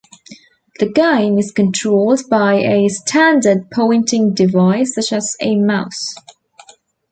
The game is controlled by a standard pointing device such as a mouse.